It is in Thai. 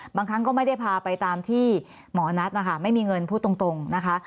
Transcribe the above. บางครั้งก็ไม่ได้พาไปตามที่หมอนัทนะคะไม่มีเงินพูดตรงนะคะ